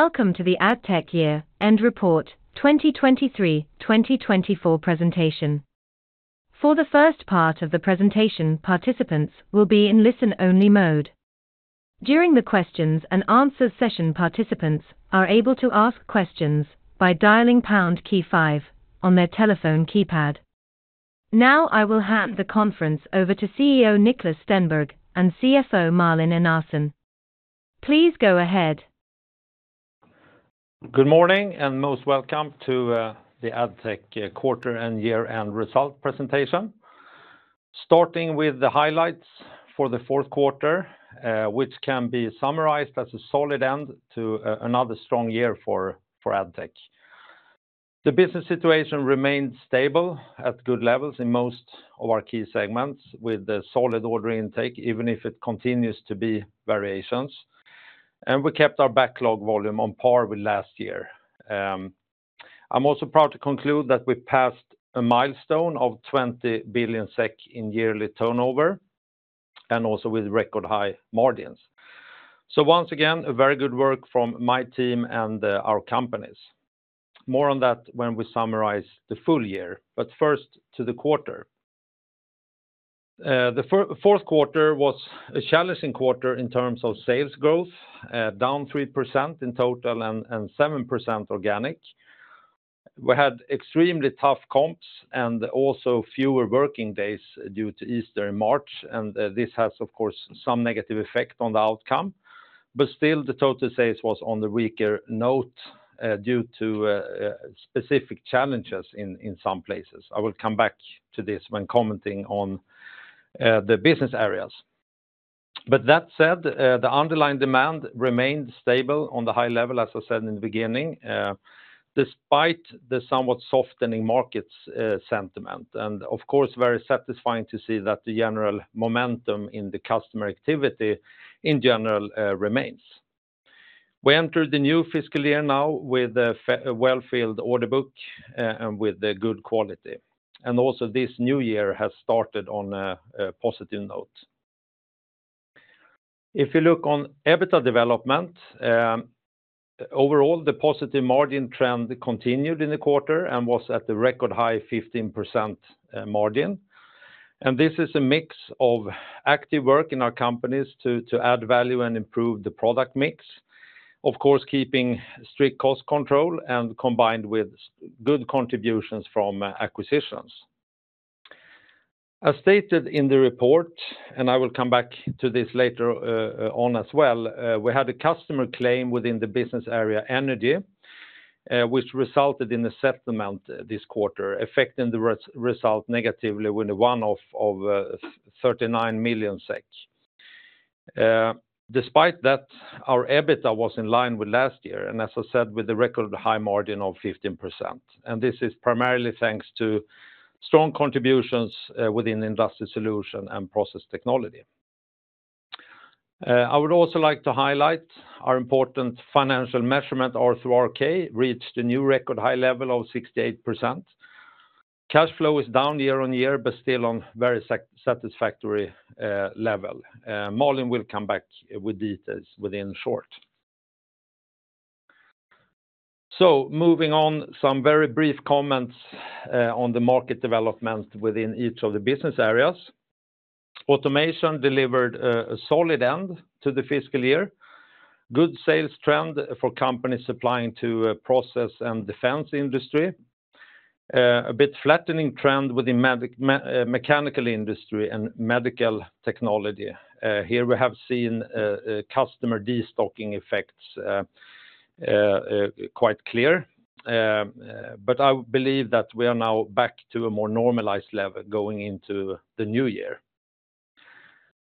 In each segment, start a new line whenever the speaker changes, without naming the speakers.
Welcome to the Addtech Year-End Report 2023-2024 Presentation. For the first part of the presentation, participants will be in listen-only mode. During the questions and answers session, participants are able to ask questions by dialing pound key five on their telephone keypad. Now, I will hand the conference over to CEO Niklas Stenberg and CFO Malin Enarson. Please go ahead.
Good morning, and most welcome to the Addtech quarter and year-end result presentation. Starting with the highlights for the fourth quarter, which can be summarized as a solid end to another strong year for Addtech. The business situation remained stable at good levels in most of our key segments, with the solid order intake, even if it continues to be variations, and we kept our backlog volume on par with last year. I'm also proud to conclude that we passed a milestone of 20 billion SEK in yearly turnover, and also with record-high margins. So once again, a very good work from my team and our companies. More on that when we summarize the full year, but first to the quarter. The fourth quarter was a challenging quarter in terms of sales growth, down 3% in total and 7% organic. We had extremely tough comps and also fewer working days due to Easter in March, and this has, of course, some negative effect on the outcome. But still, the total sales was on the weaker note due to specific challenges in some places. I will come back to this when commenting on the business areas. But that said, the underlying demand remained stable on the high level, as I said in the beginning, despite the somewhat softening markets sentiment, and of course, very satisfying to see that the general momentum in the customer activity, in general, remains. We entered the new fiscal year now with a well-filled order book, and with a good quality. Also, this new year has started on a positive note. If you look on EBITDA development, overall, the positive margin trend continued in the quarter and was at the record high 15% margin. This is a mix of active work in our companies to add value and improve the product mix. Of course, keeping strict cost control and combined with good contributions from acquisitions. As stated in the report, and I will come back to this later, on as well, we had a customer claim within the business area, Energy, which resulted in a settlement this quarter, affecting the result negatively with a one-off of 39 million. Despite that, our EBITDA was in line with last year, and as I said, with the record high margin of 15%, and this is primarily thanks to strong contributions within Industrial Solutions and Process Technology. I would also like to highlight our important financial measurement, R/RK, reached a new record high level of 68%. Cash flow is down year on year, but still on very satisfactory level. Malin will come back with details within short. So moving on, some very brief comments on the market development within each of the business areas. Automation delivered a solid end to the fiscal year. Good sales trend for companies supplying to process and defense industry. A bit flattening trend with the mechanical industry and medical technology. Here we have seen customer destocking effects quite clear, but I believe that we are now back to a more normalized level going into the new year.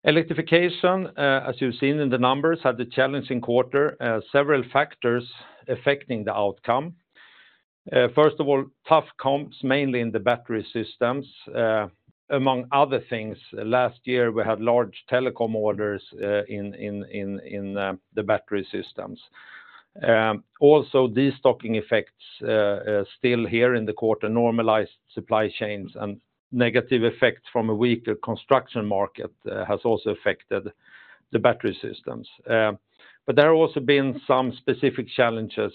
Electrification, as you've seen in the numbers, had a challenging quarter, several factors affecting the outcome. First of all, tough comps, mainly in the battery systems. Among other things, last year, we had large telecom orders in the battery systems. Also, destocking effects still here in the quarter, normalized supply chains and negative effects from a weaker construction market has also affected the battery systems. But there have also been some specific challenges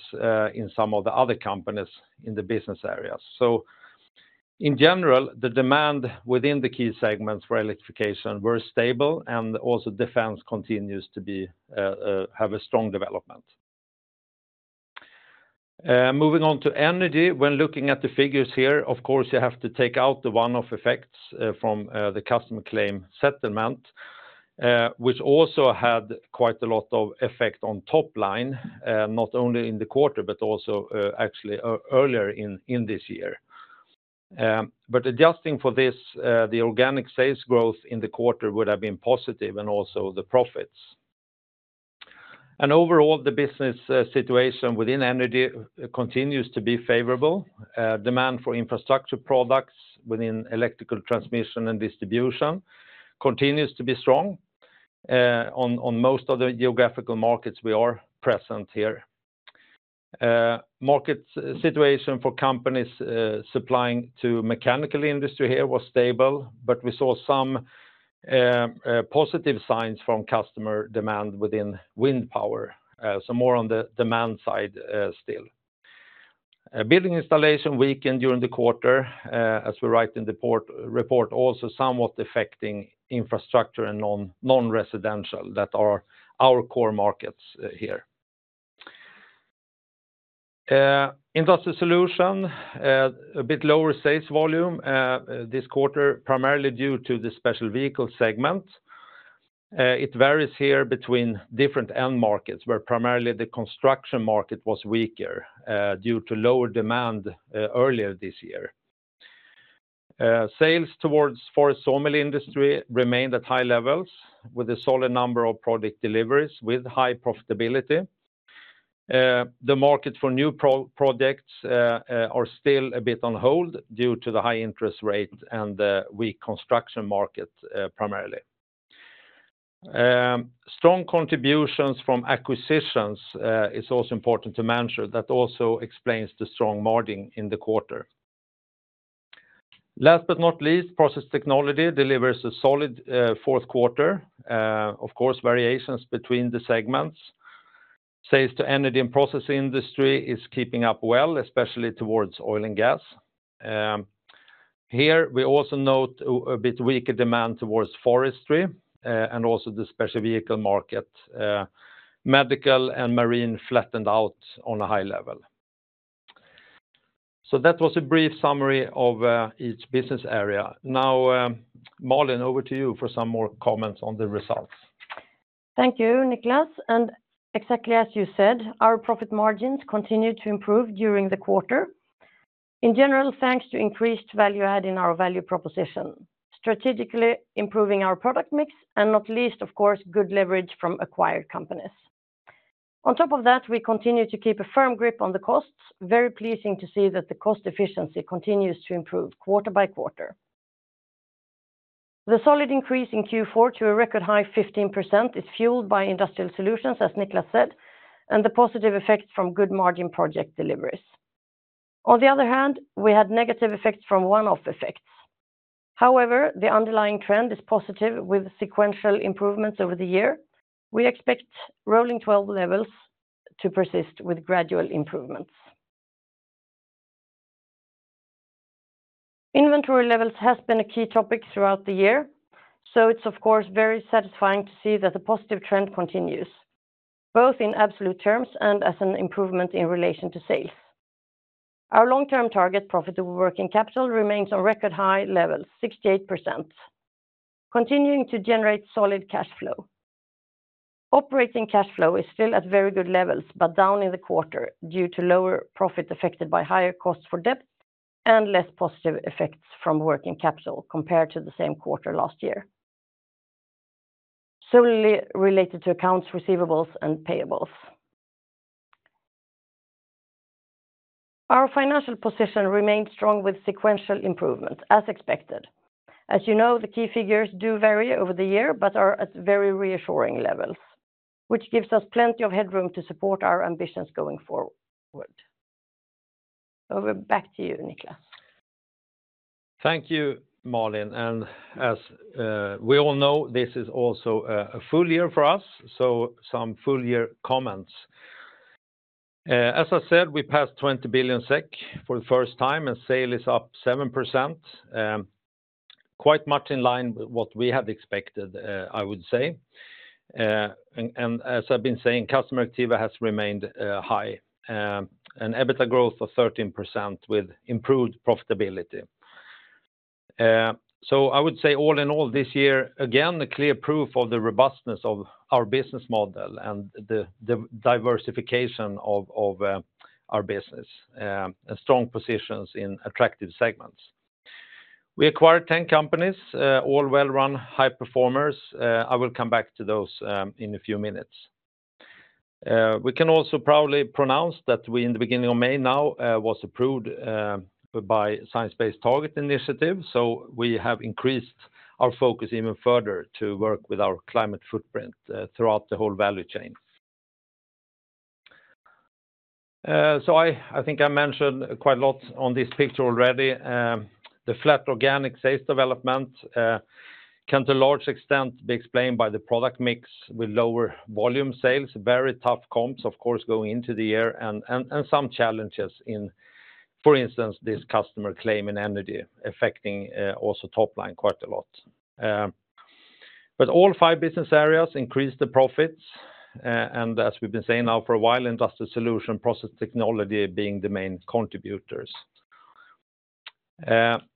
in some of the other companies in the business areas. So in general, the demand within the key segments for Electrification were stable, and also defense continues to be, have a strong development. Moving on to Energy. When looking at the figures here, of course, you have to take out the one-off effects from the customer claim settlement, which also had quite a lot of effect on top line, not only in the quarter, but also actually earlier in this year. But adjusting for this, the organic sales growth in the quarter would have been positive and also the profits. And overall, the business situation within Energy continues to be favorable. Demand for infrastructure products within electrical transmission and distribution continues to be strong on most of the geographical markets we are present here. Market situation for companies supplying to mechanical industry here was stable, but we saw some positive signs from customer demand within wind power, so more on the demand side, still. Building installation weakened during the quarter, as we write in the report, also somewhat affecting infrastructure and non-residential, that are our core markets, here. Industrial Solutions, a bit lower sales volume, this quarter, primarily due to the special vehicle segment. It varies here between different end markets, where primarily the construction market was weaker, due to lower demand, earlier this year. Sales towards forest sawmilling industry remained at high levels, with a solid number of product deliveries with high profitability. The market for new products are still a bit on hold due to the high interest rate and weak construction market, primarily. Strong contributions from acquisitions is also important to mention, that also explains the strong margin in the quarter. Last but not least, Process Technology delivers a solid fourth quarter. Of course, variations between the segments. Sales to Energy and process industry is keeping up well, especially towards oil and gas. Here, we also note a bit weaker demand towards forestry and also the special vehicle market. Medical and marine flattened out on a high level. So that was a brief summary of each business area. Now, Malin, over to you for some more comments on the results.
Thank you, Niklas, and exactly as you said, our profit margins continued to improve during the quarter. In general, thanks to increased value add in our value proposition, strategically improving our product mix, and not least, of course, good leverage from acquired companies. On top of that, we continue to keep a firm grip on the costs. Very pleasing to see that the cost efficiency continues to improve quarter by quarter. The solid increase in Q4 to a record high 15% is fueled by Industrial Solutions, as Niklas said, and the positive effect from good margin project deliveries. On the other hand, we had negative effects from one-off effects. However, the underlying trend is positive, with sequential improvements over the year. We expect rolling twelve levels to persist with gradual improvements. Inventory levels has been a key topic throughout the year, so it's of course, very satisfying to see that the positive trend continues, both in absolute terms and as an improvement in relation to sales. Our long-term target, profitable working capital, remains on record high levels, 68%, continuing to generate solid cash flow. Operating cash flow is still at very good levels, but down in the quarter due to lower profit affected by higher costs for debt and less positive effects from working capital compared to the same quarter last year, solely related to accounts, receivables, and payables. Our financial position remains strong with sequential improvements, as expected. As you know, the key figures do vary over the year, but are at very reassuring levels, which gives us plenty of headroom to support our ambitions going forward. Over back to you, Niklas.
Thank you, Malin, and as we all know, this is also a full year for us, so some full year comments. As I said, we passed 20 billion SEK for the first time, and sales is up 7%. Quite much in line with what we had expected, I would say. And as I've been saying, customer activity has remained high, and EBITDA growth of 13% with improved profitability. So I would say, all in all, this year, again, a clear proof of the robustness of our business model and the diversification of our business, and strong positions in attractive segments. We acquired 10 companies, all well-run, high performers. I will come back to those, in a few minutes. We can also proudly announce that we, in the beginning of May now, was approved by Science Based Targets initiative, so we have increased our focus even further to work with our climate footprint throughout the whole value chain. So I, I think I mentioned quite a lot on this picture already. The flat organic sales development can to a large extent be explained by the product mix with lower volume sales, very tough comps, of course, going into the year, and some challenges in, for instance, this customer claim in Energy, affecting also top line quite a lot. But all five business areas increased the profits, and as we've been saying now for a while, Industrial Solutions, Process Technology being the main contributors.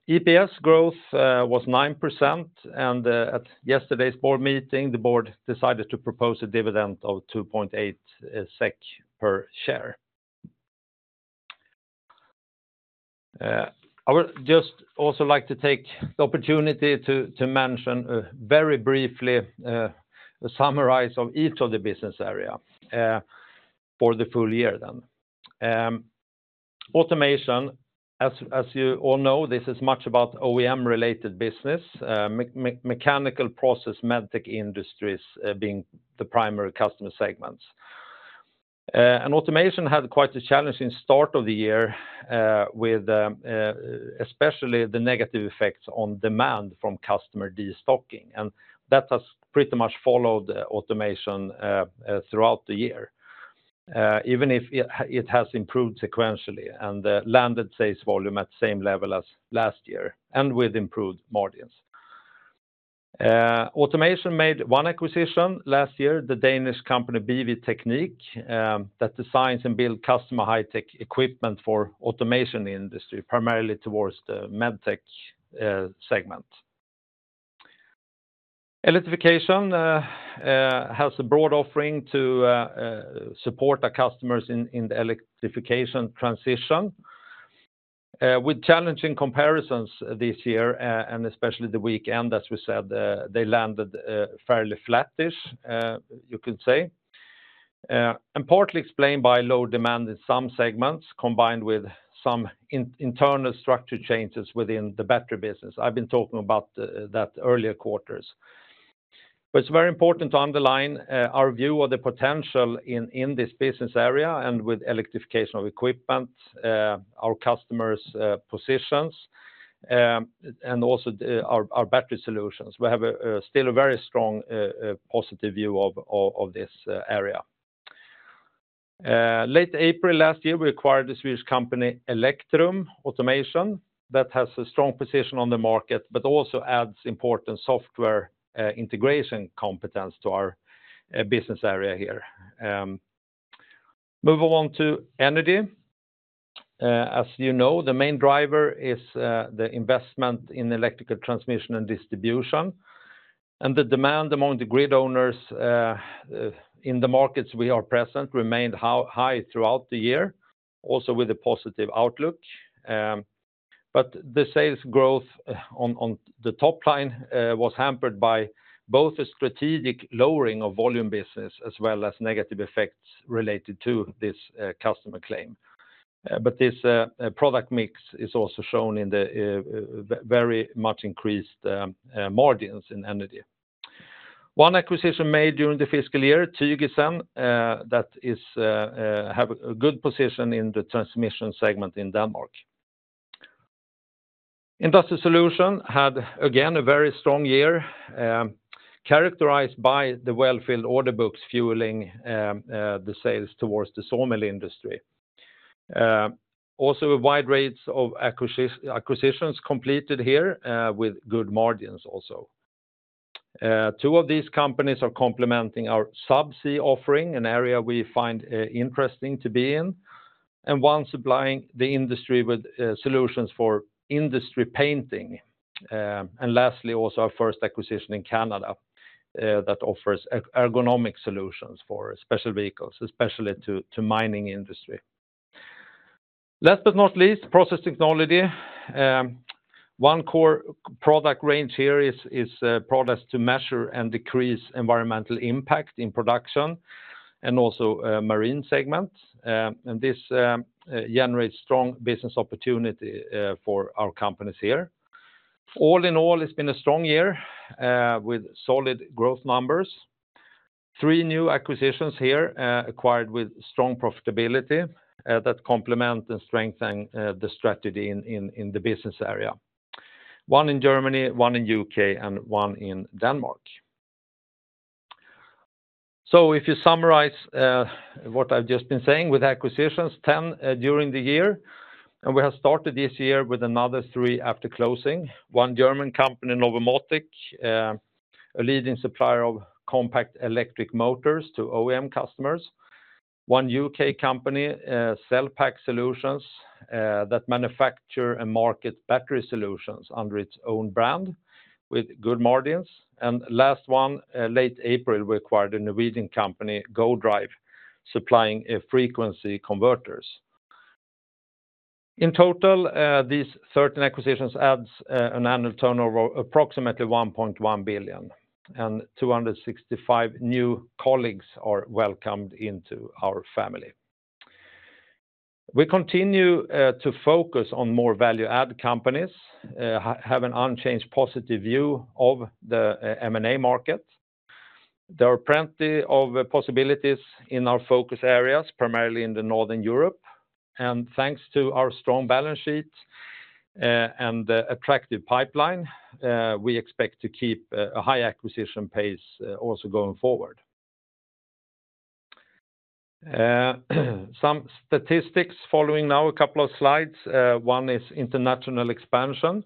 EPS growth was 9%, and at yesterday's board meeting, the board decided to propose a dividend of 2.8 SEK per share. I would just also like to take the opportunity to mention very briefly a summary of each of the business areas for the full year then. Automation, as you all know, this is much about OEM related business, mechanical process, med tech industries, being the primary customer segments. And Automation had quite a challenging start of the year, with especially the negative effects on demand from customer destocking, and that has pretty much followed Automation throughout the year. Even if it has improved sequentially, and the landed sales volume at same level as last year, and with improved margins. Automation made one acquisition last year, the Danish company, BV Teknik, that designs and builds custom high-tech equipment for the Automation industry, primarily towards the med tech segment. Electrification has a broad offering to support our customers in the Electrification transition. With challenging comparisons this year, and especially the weak end, as we said, they landed fairly flattish, you could say. Importantly explained by low demand in some segments, combined with some internal structure changes within the battery business. I've been talking about that earlier quarters. But it's very important to underline our view of the potential in this business area, and with Electrification of equipment, our customers' positions, and also our battery solutions. We have a very strong positive view of this area. Late April last year, we acquired the Swedish company, Electrum Automation, that has a strong position on the market, but also adds important software integration competence to our business area here. Moving on to Energy. As you know, the main driver is the investment in electrical transmission and distribution, and the demand among the grid owners in the markets we are present remained high throughout the year, also with a positive outlook. But the sales growth on the top line was hampered by both a strategic lowering of volume business, as well as negative effects related to this customer claim. But this product mix is also shown in the very much increased margins in Energy. One acquisition made during the fiscal year, Tygesen, that have a good position in the transmission segment in Denmark. Industrial Solutions had, again, a very strong year, characterized by the well-filled order books, fueling the sales towards the sawmill industry. Also a wide range of acquisitions completed here, with good margins also. Two of these companies are complementing our subsea offering, an area we find interesting to be in, and one supplying the industry with solutions for industry painting. And lastly, also our first acquisition in Canada, that offers ergonomic solutions for special vehicles, especially to mining industry. Last but not least, Process Technology. One core product range here is products to measure and decrease environmental impact in production, and also, marine segments. This generates strong business opportunity for our companies here. All in all, it's been a strong year with solid growth numbers. 3 new acquisitions here, acquired with strong profitability, that complement and strengthen the strategy in the business area. One in Germany, one in U.K., and one in Denmark. So if you summarize what I've just been saying, with acquisitions, 10 during the year, and we have started this year with another 3 after closing. One German company, Novomotec, a leading supplier of compact electric motors to OEM customers. One U.K. company, Cell Pack Solutions, that manufacture and market battery solutions under its own brand with good margins. And last one, late April, we acquired a Norwegian company, GoDrive, supplying frequency converters. In total, these 13 acquisitions adds an annual turnover of approximately 1.1 billion, and 265 new colleagues are welcomed into our family. We continue to focus on more value add companies, have an unchanged positive view of the M&A market. There are plenty of possibilities in our focus areas, primarily in the Northern Europe, and thanks to our strong balance sheet and the attractive pipeline, we expect to keep a high acquisition pace also going forward. Some statistics following now, a couple of slides. One is international expansion.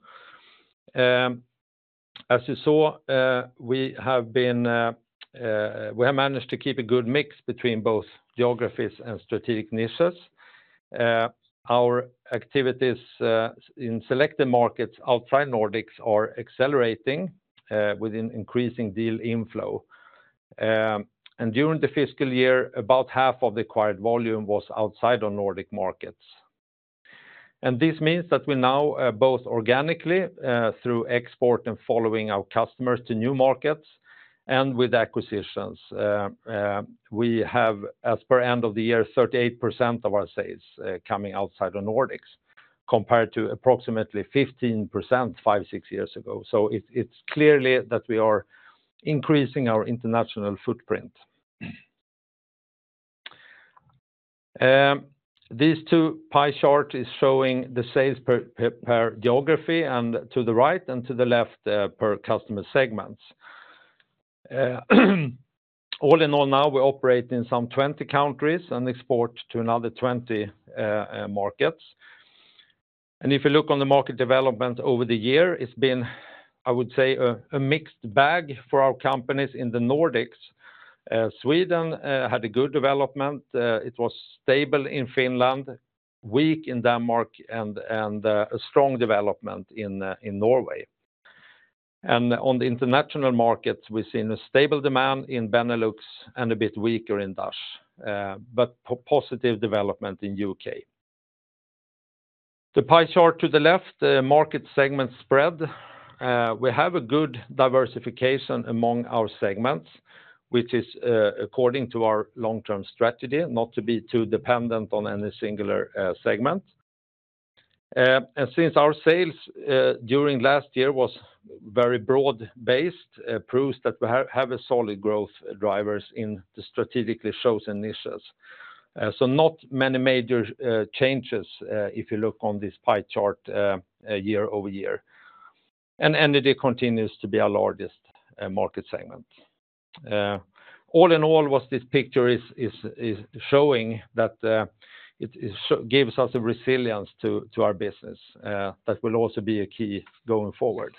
As you saw, we have been, we have managed to keep a good mix between both geographies and strategic niches. Our activities in selected markets outside Nordics are accelerating with an increasing deal inflow. During the fiscal year, about half of the acquired volume was outside of Nordic markets. This means that we now both organically through export and following our customers to new markets, and with acquisitions, we have, as per end of the year, 38% of our sales coming outside the Nordics, compared to approximately 15%, 5, 6 years ago. So it's clearly that we are increasing our international footprint. These two pie chart is showing the sales per geography, and to the right and to the left per customer segments. All in all, now we operate in some 20 countries and export to another 20 markets. And if you look on the market development over the year, it's been, I would say, a mixed bag for our companies in the Nordics. Sweden had a good development, it was stable in Finland, weak in Denmark, and a strong development in Norway. And on the international markets, we've seen a stable demand in Benelux and a bit weaker in Netherlands, but positive development in UK. The pie chart to the left, the market segment spread. We have a good diversification among our segments, which is according to our long-term strategy, not to be too dependent on any singular segment. And since our sales during last year was very broad-based, proves that we have a solid growth drivers in the strategically shows and niches. So not many major changes, if you look on this pie chart, year over year, and it continues to be our largest market segment. All in all, what this picture is showing that it gives us a resilience to our business that will also be a key going forward.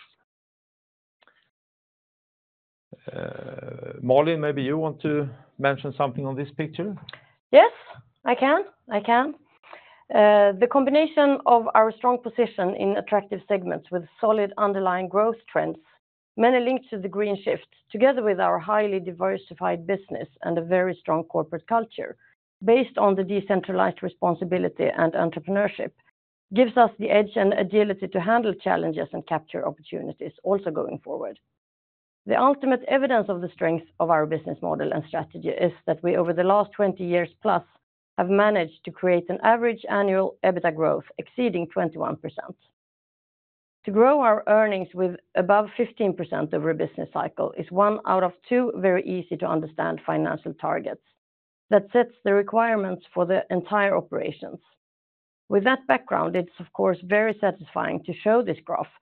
Malin, maybe you want to mention something on this picture?
Yes, I can. I can. The combination of our strong position in attractive segments with solid underlying growth trends, many linked to the green shift, together with our highly diversified business and a very strong corporate culture, based on the decentralized responsibility and entrepreneurship, gives us the edge and agility to handle challenges and capture opportunities also going forward. The ultimate evidence of the strength of our business model and strategy is that we, over the last 20+ years, have managed to create an average annual EBITDA growth exceeding 21%. To grow our earnings with above 15% over a business cycle is one out of two very easy-to-understand financial targets that sets the requirements for the entire operations. With that background, it's of course very satisfying to show this graph.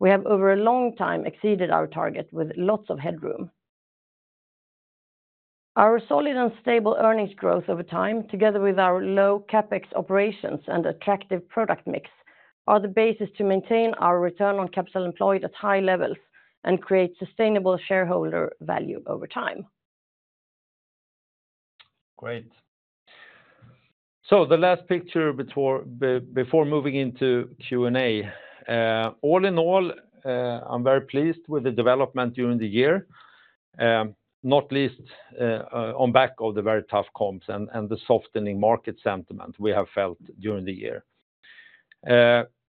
We have, over a long time, exceeded our target with lots of headroom. Our solid and stable earnings growth over time, together with our low CapEx operations and attractive product mix, are the basis to maintain our return on capital employed at high levels, and create sustainable shareholder value over time.
Great. So the last picture before moving into Q&A. All in all, I'm very pleased with the development during the year, not least, on back of the very tough comps and the softening market sentiment we have felt during the year.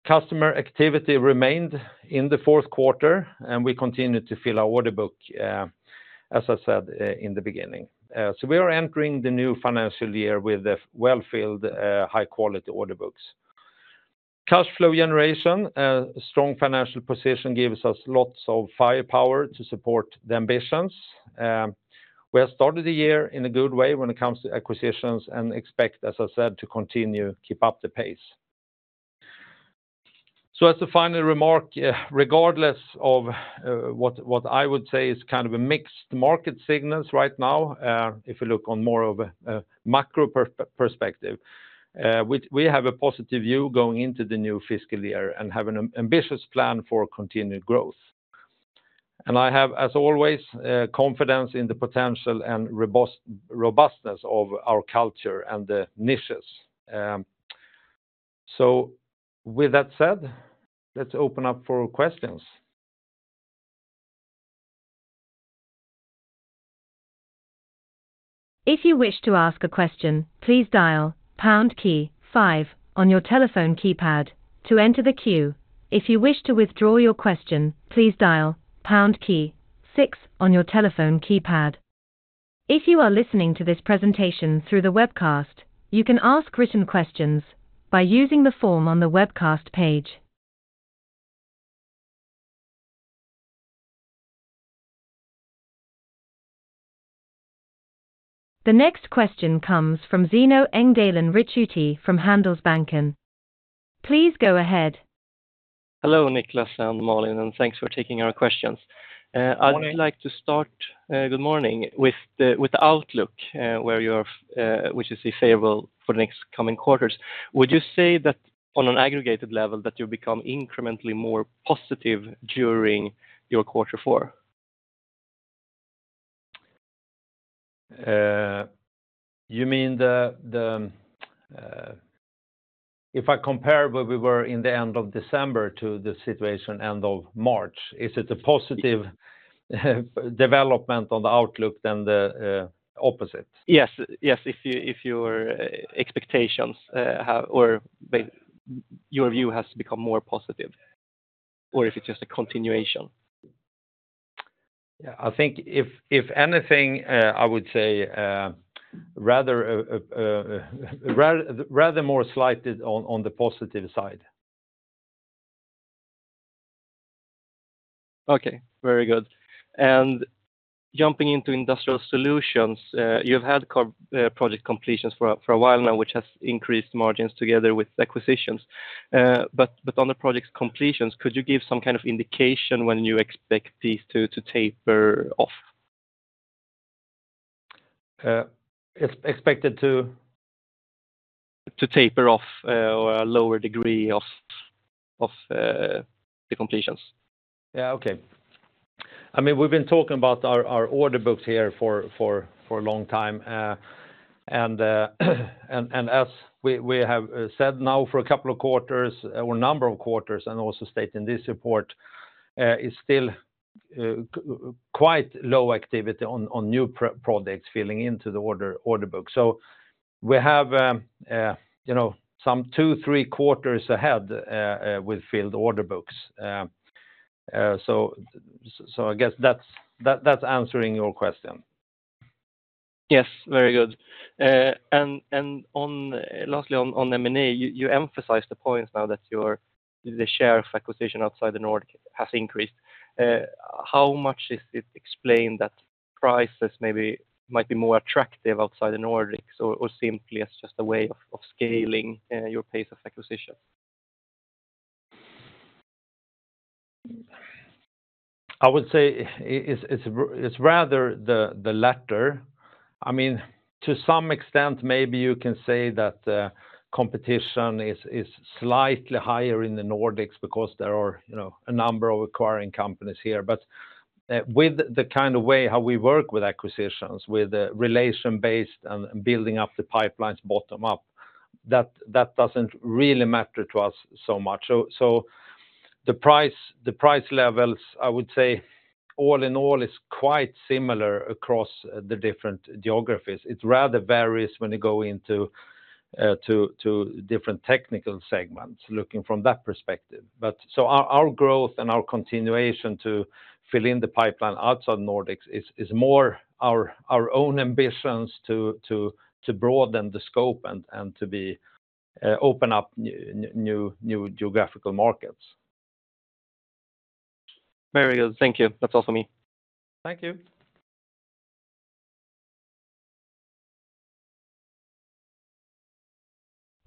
Customer activity remained in the fourth quarter, and we continued to fill our order book, as I said, in the beginning. So we are entering the new financial year with a well-filled, high-quality order books. Cash flow generation, strong financial position gives us lots of firepower to support the ambitions. We have started the year in a good way when it comes to acquisitions, and expect, as I said, to continue, keep up the pace. So as a final remark, regardless of what I would say is kind of a mixed market signals right now, if you look on more of a macro perspective, we have a positive view going into the new fiscal year and have an ambitious plan for continued growth. And I have, as always, confidence in the potential and robustness of our culture and the niches. So with that said, let's open up for questions.
If you wish to ask a question, please dial pound key five on your telephone keypad to enter the queue. If you wish to withdraw your question, please dial pound key six on your telephone keypad. If you are listening to this presentation through the webcast, you can ask written questions by using the form on the webcast page. The next question comes from Zino Engdalen Ricciuti from Handelsbanken. Please go ahead.
Hello, Niklas and Malin, and thanks for taking our questions.
Good morning.
I would like to start, good morning, with the outlook, which is favorable for the next coming quarters. Would you say that on an aggregated level, that you've become incrementally more positive during your quarter four?
You mean if I compare where we were in the end of December to the situation end of March, is it a positive development on the outlook than the opposite?
Yes, yes. If your expectations have, or your view has to become more positive, or if it's just a continuation? ...
Yeah, I think if anything, I would say rather more slightly on the positive side.
Okay, very good. And jumping into Industrial Solutions, you've had project completions for a while now, which has increased margins together with acquisitions. But on the project completions, could you give some kind of indication when you expect these to taper off?
Expected to?
To taper off, or a lower degree of, of, the completions.
Yeah, okay. I mean, we've been talking about our order books here for a long time, and as we have said now for a couple of quarters or a number of quarters, and also stated in this report, it's still quite low activity on new projects filling into the order book. So we have, you know, some two, three quarters ahead with filled order books. So I guess that's answering your question.
Yes, very good. And lastly, on M&A, you emphasize the points now that the share of acquisition outside the Nordics has increased. How much is it explained that prices maybe might be more attractive outside the Nordics, or simply just a way of scaling your pace of acquisition?
I would say it's rather the latter. I mean, to some extent, maybe you can say that competition is slightly higher in the Nordics because there are, you know, a number of acquiring companies here. But with the kind of way how we work with acquisitions, with the relation-based and building up the pipelines bottom up, that doesn't really matter to us so much. So the price levels, I would say, all in all, is quite similar across the different geographies. It rather varies when you go into to different technical segments, looking from that perspective. But our growth and our continuation to fill in the pipeline outside Nordics is more our own ambitions to broaden the scope and to open up new geographical markets.
Very good. Thank you. That's all for me.
Thank you.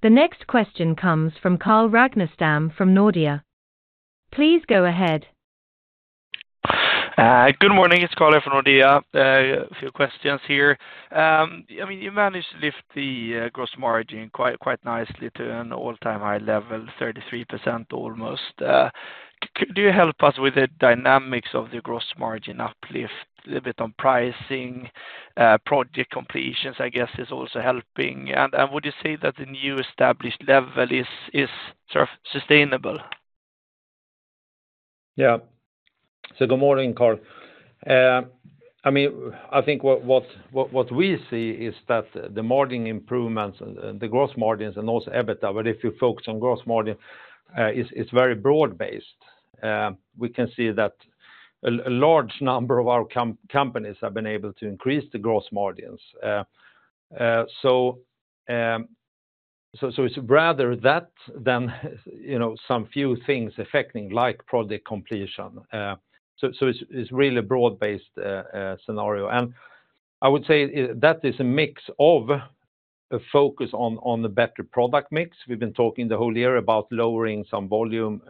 The next question comes from Carl Ragnerstam from Nordea. Please go ahead.
Good morning. It's Carl from Nordea. A few questions here. I mean, you managed to lift the gross margin quite, quite nicely to an all-time high level, 33% almost. Could you help us with the dynamics of the gross margin uplift, a bit on pricing, project completions, I guess, is also helping. And would you say that the new established level is, is sort of sustainable?
Yeah. So good morning, Carl. I mean, I think what we see is that the margin improvements, the gross margins and also EBITDA, but if you focus on gross margin, it's very broad-based. We can see that a large number of our companies have been able to increase the gross margins. So it's rather that than, you know, some few things affecting, like project completion. So it's really a broad-based scenario. And I would say that is a mix of a focus on the better product mix. We've been talking the whole year about lowering some volume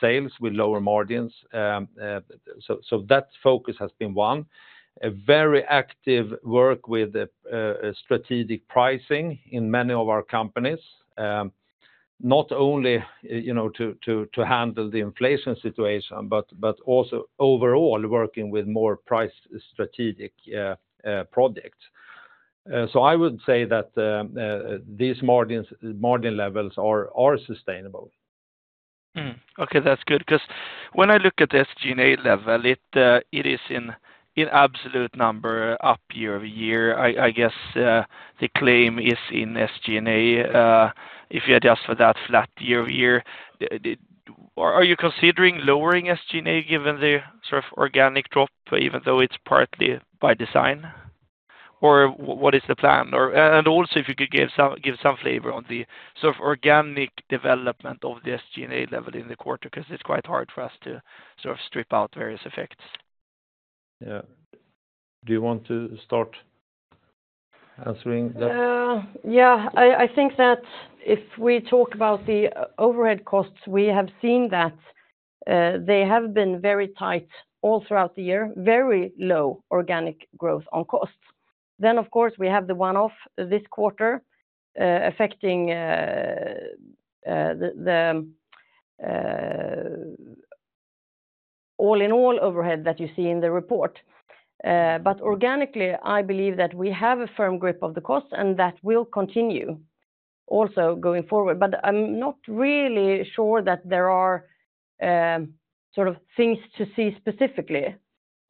sales with lower margins. So that focus has been one. A very active work with the strategic pricing in many of our companies, not only, you know, to handle the inflation situation, but also overall, working with more price strategic projects. So I would say that these margins, margin levels are sustainable.
Okay, that's good. Because when I look at the SG&A level, it is in absolute number up year-over-year. I guess the claim is in SG&A, if you adjust for that flat year-over-year. Are you considering lowering SG&A, given the sort of organic drop, even though it's partly by design? Or what is the plan? And also if you could give some flavor on the sort of organic development of the SG&A level in the quarter, because it's quite hard for us to sort of strip out various effects.
Yeah. Do you want to start answering that?
Yeah. I think that if we talk about the overhead costs, we have seen that they have been very tight all throughout the year, very low organic growth on costs. Then, of course, we have the one-off this quarter affecting the all-in-all overhead that you see in the report. But organically, I believe that we have a firm grip of the cost, and that will continue also going forward. But I'm not really sure that there are sort of things to see specifically,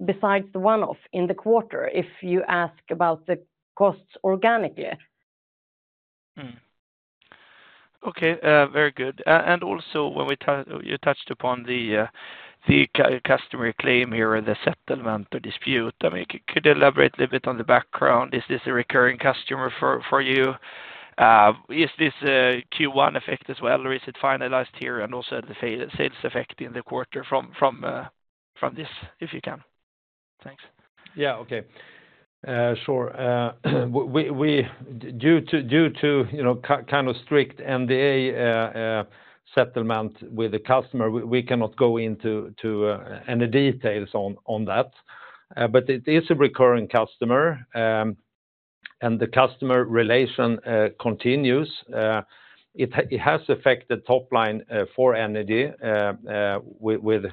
besides the one-off in the quarter, if you ask about the costs organically.
Okay, very good. And also when we touch, you touched upon the customer claim here and the settlement, the dispute. I mean, could you elaborate a bit on the background? Is this a recurring customer for you? Is this a Q1 effect as well, or is it finalized here, and also the sales effect in the quarter from this, if you can? Thanks.
Yeah, okay. Sure. Due to, you know, kind of strict NDA, settlement with the customer, we cannot go into, to, any details on, on that. But it is a recurring customer, and the customer relation continues. It has affected top line for Energy with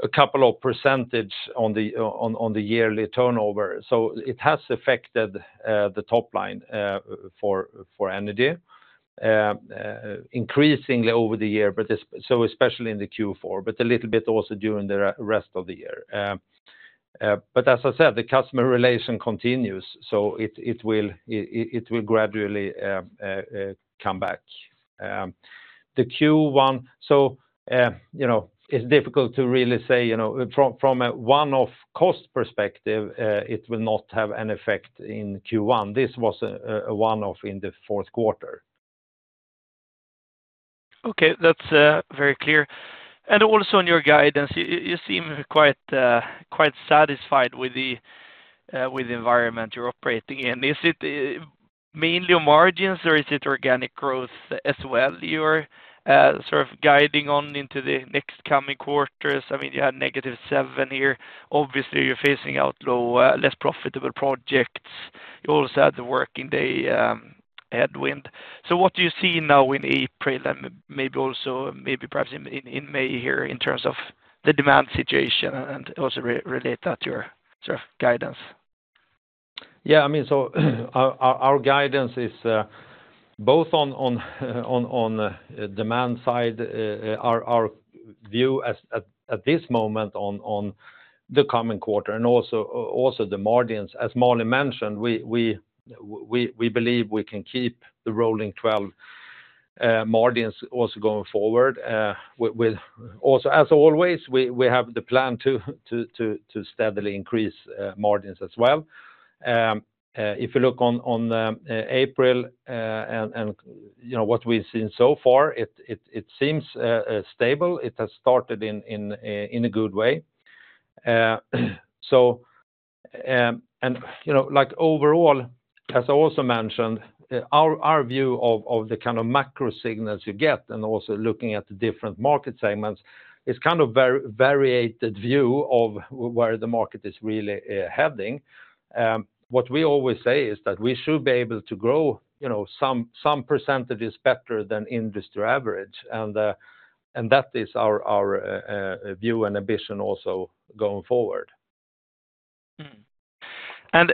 a couple of percentage on the, on, the yearly turnover. So it has affected the top line for Energy increasingly over the year, but so especially in the Q4, but a little bit also during the rest of the year. But as I said, the customer relation continues, so it will gradually come back. The Q1, you know, it's difficult to really say, you know, from a one-off cost perspective, it will not have an effect in Q1. This was a one-off in the fourth quarter.
Okay, that's very clear. And also in your guidance, you seem quite satisfied with the environment you're operating in. Is it mainly on margins, or is it organic growth as well, you're sort of guiding on into the next coming quarters? I mean, you had -7 here. Obviously, you're phasing out low, less profitable projects. You also had the working day headwind. So what do you see now in April, and maybe also, perhaps in May here, in terms of the demand situation and also relate that to your sort of guidance?
Yeah, I mean, so our guidance is both on the demand side, our view as at this moment on the coming quarter, and also the margins. As Malin mentioned, we believe we can keep the rolling twelve margins also going forward, with. Also, as always, we have the plan to steadily increase margins as well. If you look on April and, you know, what we've seen so far, it seems stable. It has started in a good way. So, you know, like overall, as I also mentioned, our view of the kind of macro signals you get, and also looking at the different market segments, is kind of varied view of where the market is really heading. What we always say is that we should be able to grow, you know, some percentages better than industry average, and that is our view and ambition also going forward.
Mm-hmm.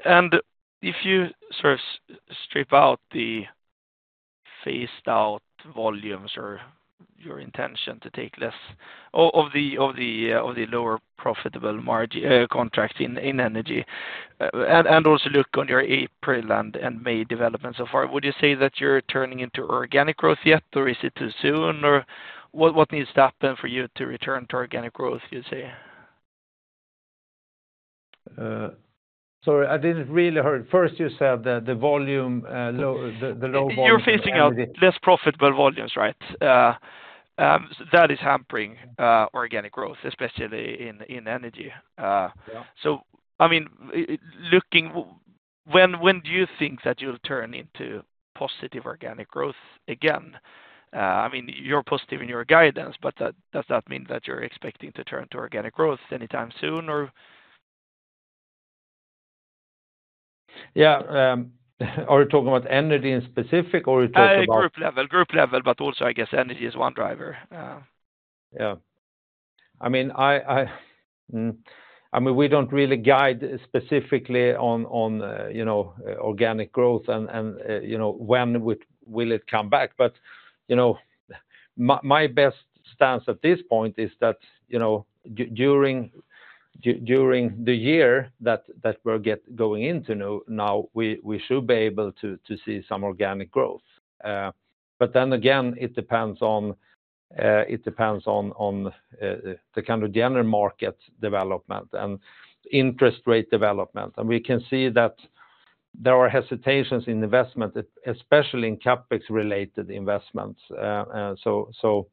And if you sort of strip out the phased out volumes or your intention to take less of the lower profitable margin contracts in Energy, and also look on your April and May development so far, would you say that you're turning into organic growth yet, or is it too soon? Or what needs to happen for you to return to organic growth, you'd say?
Sorry, I didn't really heard. First, you said that the volume low, the, the low volume-
You're phasing out less profitable volumes, right? That is hampering organic growth, especially in Energy.
Yeah.
So, I mean, when do you think that you'll turn into positive organic growth again? I mean, you're positive in your guidance, but that, does that mean that you're expecting to turn to organic growth anytime soon, or?
Yeah, are you talking about Energy in specific, or are you talking about-
Group level, but also I guess Energy is one driver.
Yeah. I mean, we don't really guide specifically on, you know, organic growth and, you know, when will it come back. But, you know, my best stance at this point is that, you know, during the year that we're going into now, we should be able to see some organic growth. But then again, it depends on the kind of general market development and interest rate development. And we can see that there are hesitations in investment, especially in CapEx-related investments. So,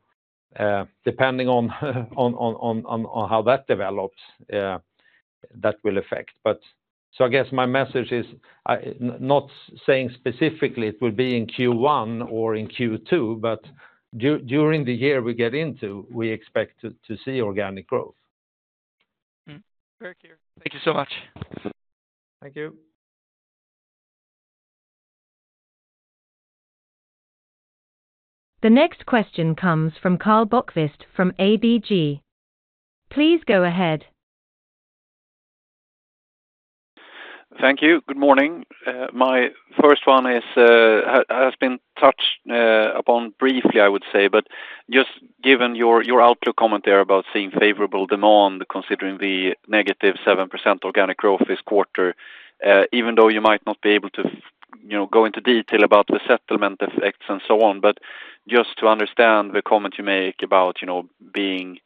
depending on how that develops, that will affect. But, so I guess my message is, not saying specifically it will be in Q1 or in Q2, but during the year we get into, we expect to see organic growth.
Mm-hmm. Very clear. Thank you so much.
Thank you.
The next question comes from Karl Bokvist from ABG. Please go ahead.
Thank you. Good morning. My first one is, has been touched upon briefly, I would say, but just given your outlook comment there about seeing favorable demand, considering the negative 7% organic growth this quarter, even though you might not be able to, you know, go into detail about the settlement effects and so on, but just to understand the comment you make about, you know, being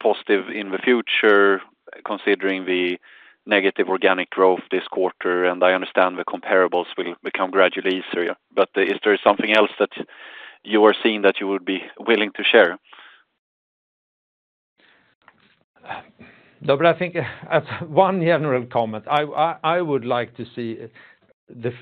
positive in the future, considering the negative organic growth this quarter, and I understand the comparables will become gradually easier. But is there something else that you are seeing that you would be willing to share?
No, but I think as one general comment, I would like to see the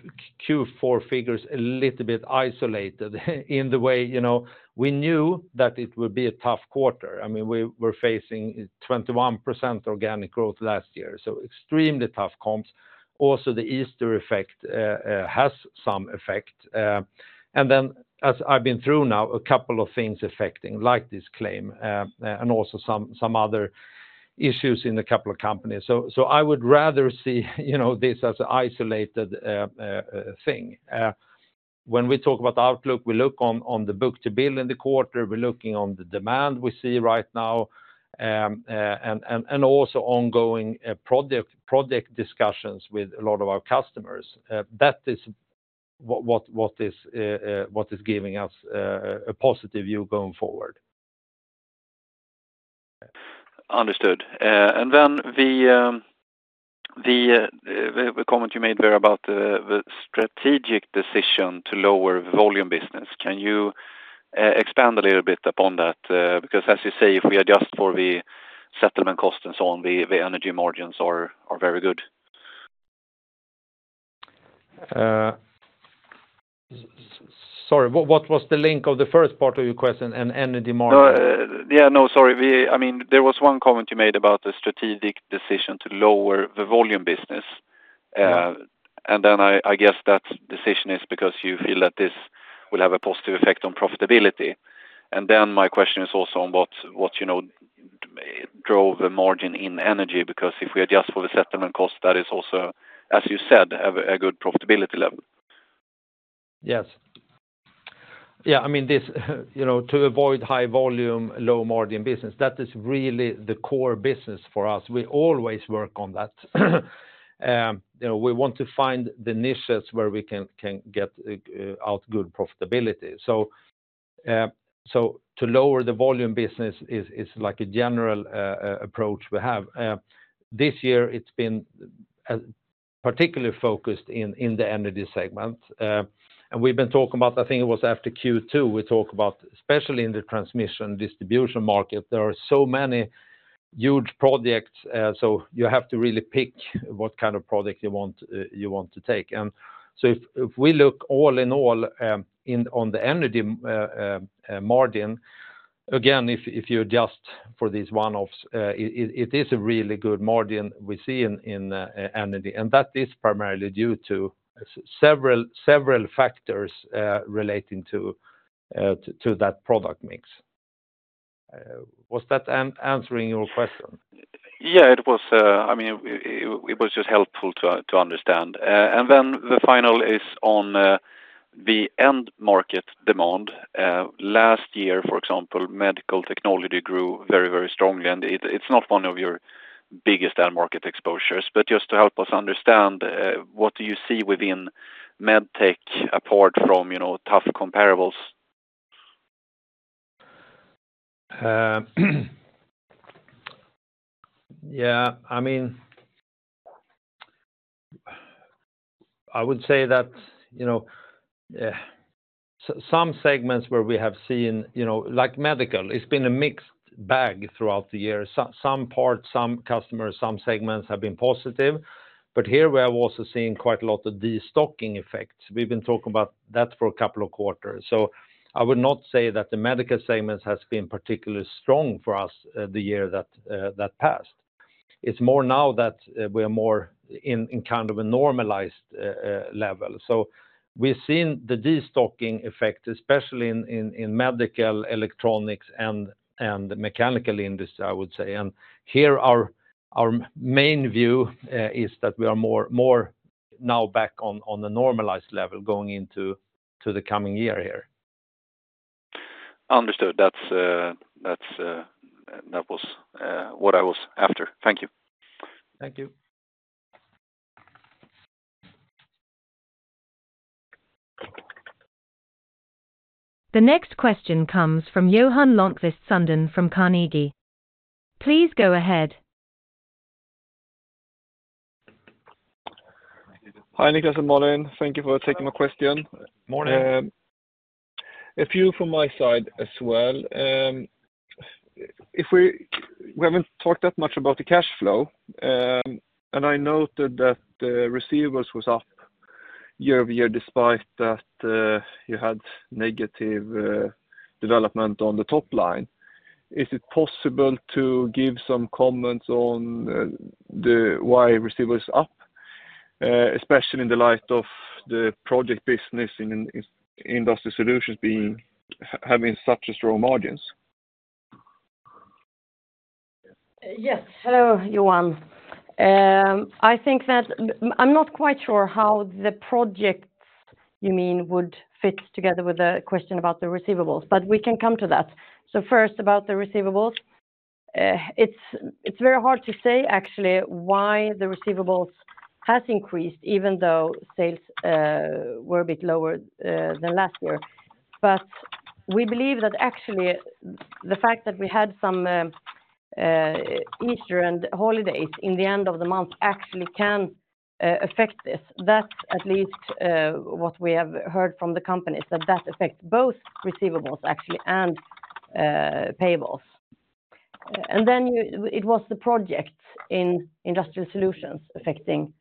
Q4 figures a little bit isolated in the way, you know, we knew that it would be a tough quarter. I mean, we were facing 21% organic growth last year, so extremely tough comps. Also, the Easter effect has some effect, and then as I've been through now, a couple of things affecting, like this claim, and also some other issues in a couple of companies. So I would rather see, you know, this as an isolated thing. When we talk about outlook, we look on the book-to-bill in the quarter, we're looking on the demand we see right now, and also ongoing project discussions with a lot of our customers. That is what is giving us a positive view going forward.
Understood. And then the comment you made there about the strategic decision to lower the volume business. Can you expand a little bit upon that? Because as you say, if we adjust for the settlement cost and so on, the Energy margins are very good.
Sorry, what was the link of the first part of your question, an Energy margin?
No, yeah, no, sorry. I mean, there was one comment you made about the strategic decision to lower the volume business. And then I guess that decision is because you feel that this will have a positive effect on profitability. And then my question is also on what, you know, drove the margin in Energy, because if we adjust for the settlement cost, that is also, as you said, have a good profitability level.
Yes. Yeah, I mean, this, you know, to avoid high volume, low margin business, that is really the core business for us. We always work on that. You know, we want to find the niches where we can get out good profitability. So, to lower the volume business is like a general approach we have. This year, it's been particularly focused in the Energy segment, and we've been talking about, I think it was after Q2, we talked about, especially in the transmission distribution market, there are so many huge projects, so you have to really pick what kind of project you want, you want to take. And so if we look all in all, on the Energy margin, again, if you adjust for these one-offs, it is a really good margin we see in Energy, and that is primarily due to several factors relating to that product mix. Was that answering your question?
Yeah, it was, I mean, it was just helpful to understand. And then the final is on the end market demand. Last year, for example, medical technology grew very, very strongly, and it's not one of your biggest end market exposures, but just to help us understand, what do you see within medtech apart from, you know, tough comparables?
Yeah, I mean, I would say that, you know, some segments where we have seen, you know, like medical, it's been a mixed bag throughout the year. Some parts, some customers, some segments have been positive, but here we have also seen quite a lot of destocking effects. We've been talking about that for a couple of quarters. So I would not say that the medical segment has been particularly strong for us, the year that passed. It's more now that we are more in kind of a normalized level. So we've seen the destocking effect, especially in medical, electronics, and mechanical industry, I would say. And here, our main view is that we are more now back on the normalized level going into the coming year here.
Understood. That's, that's, that was, what I was after. Thank you.
Thank you.
The next question comes from Johan Lundqvist Sundén from Carnegie. Please go ahead.
Hi, Niklas and Malin. Thank you for taking my question.
Morning.
A few from my side as well. If we haven't talked that much about the cash flow, and I noted that the receivables was up year-over-year, despite that, you had negative development on the top line. Is it possible to give some comments on the why receivables up, especially in the light of the project business in Industrial Solutions having such a strong margins?...
Yes. Hello, Johan. I think that, I'm not quite sure how the projects you mean would fit together with the question about the receivables, but we can come to that. So first, about the receivables. It's very hard to say actually why the receivables has increased, even though sales were a bit lower than last year. But we believe that actually, the fact that we had some Easter and holidays in the end of the month actually can affect this. That's at least what we have heard from the companies, that that affect both receivables, actually, and payables. And then you-- it was the project in Industrial Solutions affecting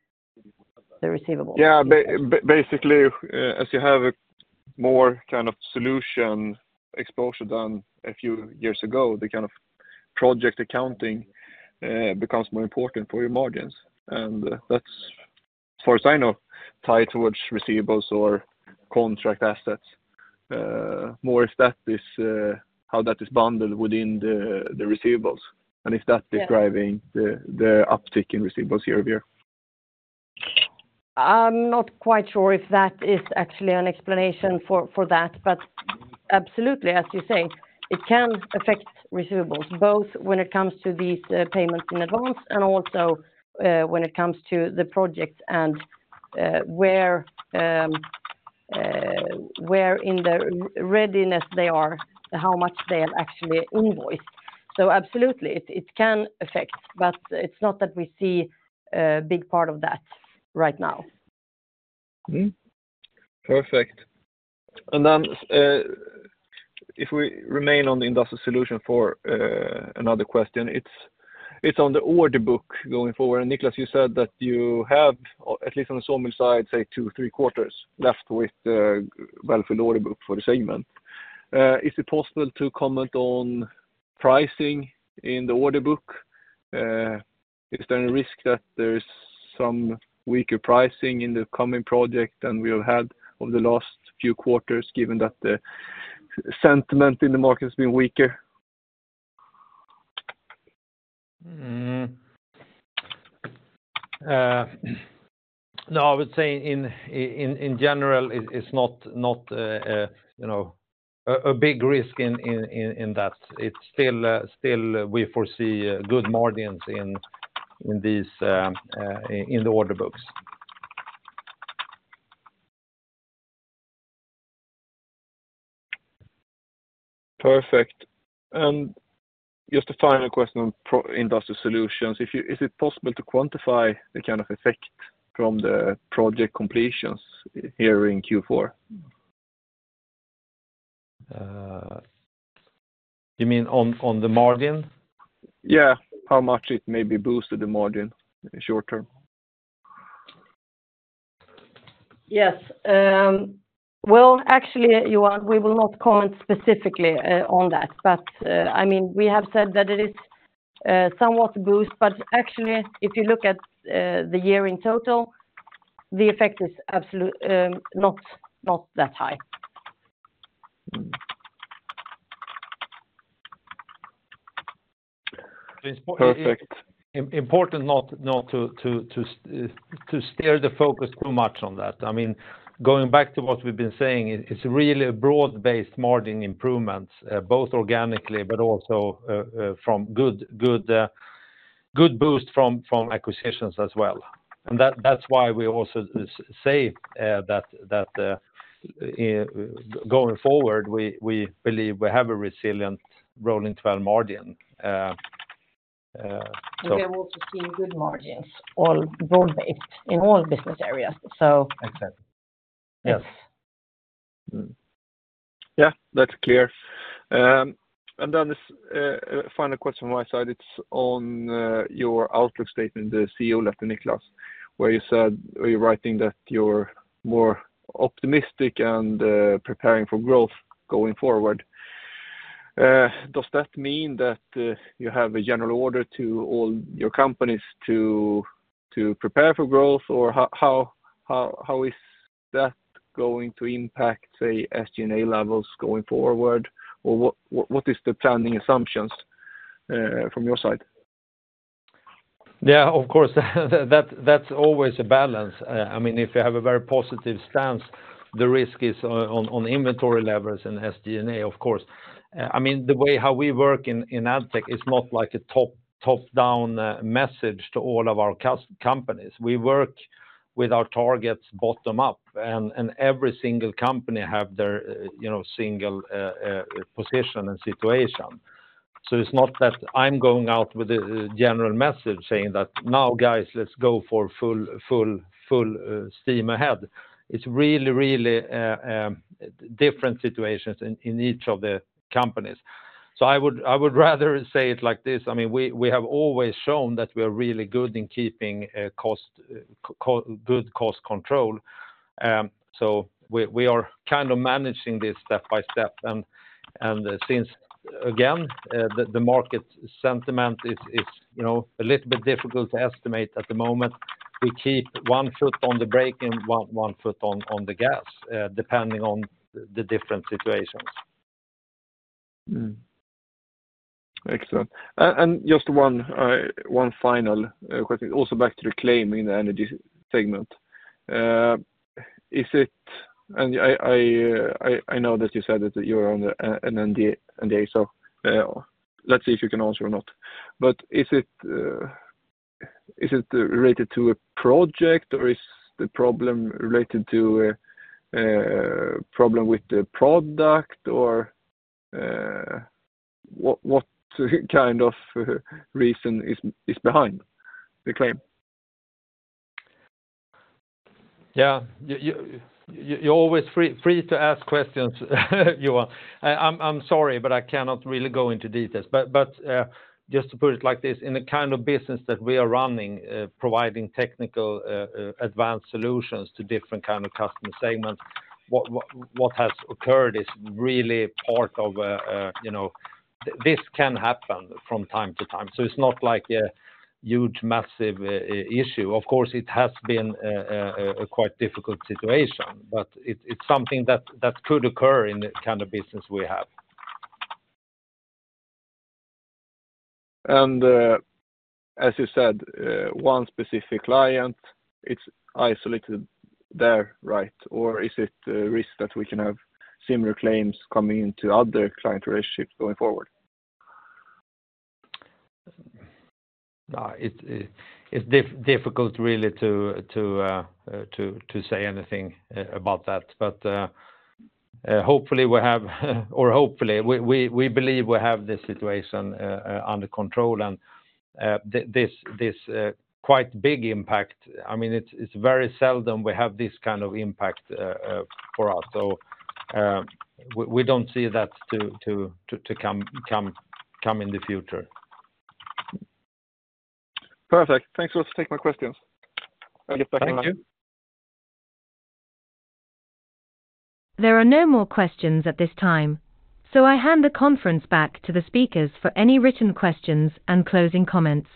the receivables?
Yeah, basically, as you have a more kind of solution exposure than a few years ago, the kind of project accounting becomes more important for your margins. And, that's, as far as I know, tied towards receivables or contract assets, more if that is how that is bundled within the receivables. And if that is-
Yeah...
driving the uptick in receivables year-over-year.
I'm not quite sure if that is actually an explanation for that, but absolutely, as you say, it can affect receivables, both when it comes to these payments in advance and also when it comes to the projects and where in the readiness they are, how much they have actually invoiced. So absolutely, it can affect, but it's not that we see a big part of that right now.
Mm-hmm. Perfect. And then, if we remain on the Industrial Solutions for another question, it's, it's on the order book going forward. And Niklas, you said that you have, at least on the sawmill side, say, 2-3 quarters left with the well-filled order book for the segment. Is it possible to comment on pricing in the order book? Is there any risk that there is some weaker pricing in the coming project than we have had over the last few quarters, given that the sentiment in the market has been weaker?
No, I would say in general, it's not a you know a big risk in that. It's still we foresee good margins in these in the order books.
Perfect. Just a final question on Process Industrial Solutions. Is it possible to quantify the kind of effect from the project completions here in Q4?
You mean on the margin?
Yeah. How much it may be boosted the margin in short term?
Yes. Well, actually, Johan, we will not comment specifically on that, but I mean, we have said that it is somewhat a boost, but actually, if you look at the year in total, the effect is absolutely not that high.
Mm. Perfect.
It's important not to steer the focus too much on that. I mean, going back to what we've been saying, it's really a broad-based margin improvements both organically, but also from good boost from acquisitions as well. And that's why we also say that going forward, we believe we have a resilient rolling twelve margin, so-
We can also see good margins, all broad-based in all business areas, so.
Exactly. Yes.
Mm-hmm. Yeah, that's clear. And then this final question on my side, it's on your outlook statement, the CEO letter, Niklas, where you said, or you're writing that you're more optimistic and preparing for growth going forward. Does that mean that you have a general order to all your companies to prepare for growth? Or how is that going to impact, say, SG&A levels going forward? Or what is the planning assumptions from your side?
Yeah, of course, that's always a balance. I mean, if you have a very positive stance, the risk is on inventory levels and SG&A, of course. I mean, the way how we work in Addtech is not like a top-down message to all of our companies. We work with our targets bottom up, and every single company have their, you know, single position and situation. So it's not that I'm going out with a general message saying that, "Now, guys, let's go for full steam ahead." It's really different situations in each of the companies. So I would rather say it like this: I mean, we have always shown that we are really good in keeping good cost control. So we are kind of managing this step by step. And since, again, the market sentiment is, you know, a little bit difficult to estimate at the moment, we keep one foot on the brake and one foot on the gas, depending on the different situations....
Mm-hmm. Excellent. And just one final question. Also back to the claim in the Energy segment. Is it, and I know that you said that you were on an NDA, so let's see if you can answer or not. But is it related to a project, or is the problem related to a problem with the product? Or what kind of reason is behind the claim?
Yeah. You're always free to ask questions, Johan. I'm sorry, but I cannot really go into details. But just to put it like this, in the kind of business that we are running, providing technical advanced solutions to different kind of customer segments, what has occurred is really part of a... You know, this can happen from time to time, so it's not like a huge, massive issue. Of course, it has been a quite difficult situation, but it's something that could occur in the kind of business we have.
As you said, one specific client, it's isolated there, right? Or is it a risk that we can have similar claims coming into other client relationships going forward?
It's difficult really to say anything about that. But, hopefully we have, or hopefully, we believe we have the situation under control. And, this quite big impact, I mean, it's very seldom we have this kind of impact for us. So, we don't see that to come in the future.
Perfect. Thanks for taking my questions.
Thank you.
There are no more questions at this time, so I hand the conference back to the speakers for any written questions and closing comments.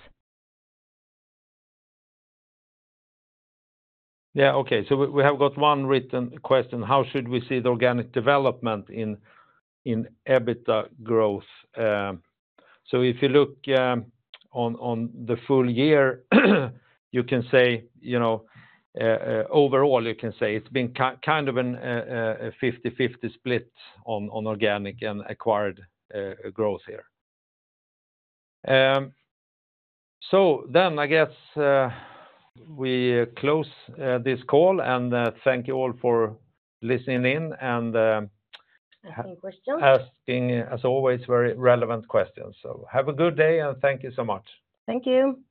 Yeah, okay. So we have got one written question: How should we see the organic development in EBITDA growth? So if you look on the full year, you can say, you know, overall, you can say it's been kind of a 50/50 split on organic and acquired growth here. So then I guess we close this call, and thank you all for listening in, and
Asking questions...
asking, as always, very relevant questions. So have a good day, and thank you so much.
Thank you.